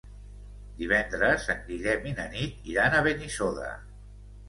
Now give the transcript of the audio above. Divendres en Guillem i na Nit iran a Benissoda.